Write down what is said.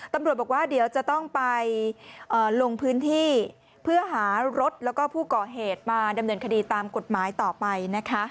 ตำรวจบอกว่าเดี๋ยวจะต้องไปลงพื้นที่เพื่อหารถแล้วก็ผู้ก่อเหตุมาดำเนินคดีตามกฎหมายต่อไปนะคะ